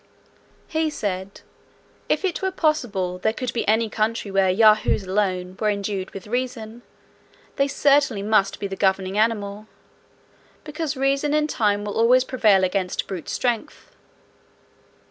He said, "if it were possible there could be any country where Yahoos alone were endued with reason, they certainly must be the governing animal; because reason in time will always prevail against brutal strength.